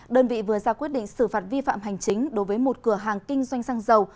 đơn vị vừa ra quyết định xử phạt vi phạm hành chính đối với một cửa hàng kinh doanh xăng dầu